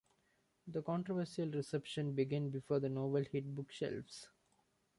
The controversial reception began before the novel hit bookshelves.